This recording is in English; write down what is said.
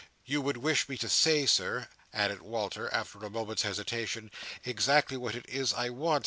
You would wish me to say, Sir," added Walter, after a moment's hesitation, "exactly what it is I want.